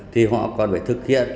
thì họ còn phải thực hiện